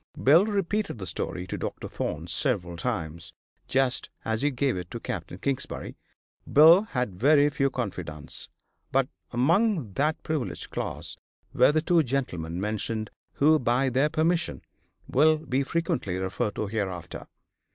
Bill repeated the story to Dr. Thorne several times, just as he gave it to Capt. Kingsbury. Bill had very few confidants, but among that privileged class were the two gentlemen mentioned, who, by their permission, will be frequently referred to hereafter.